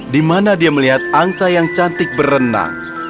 di mana dia melihat angsa yang cantik berenang